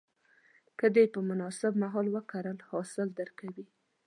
که دې په مناسب مهال وکرل، حاصل درکوي.